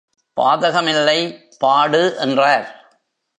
பாதகமில்லை, பாடு என்றார்.